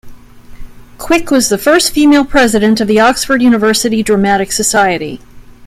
Quick was the first female president of the Oxford University Dramatic Society.